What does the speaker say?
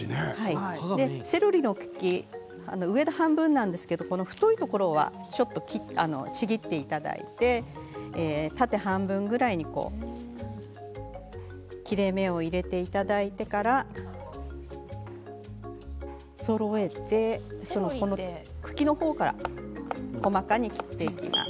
セロリの茎上の半分なんですけれども太いところはちょっとちぎっていただいて縦半分ぐらいに切れ目を入れていただいてからそろえて茎の方から細かに切っていきます。